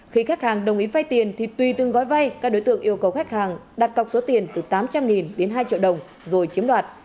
khi khách hàng đồng ý vay tiền thì tùy từng gói vay các đối tượng yêu cầu khách hàng đặt cọc số tiền từ tám trăm linh đến hai triệu đồng rồi chiếm đoạt